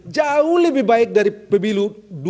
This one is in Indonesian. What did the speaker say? jauh lebih baik dari pemilu dua ribu sembilan belas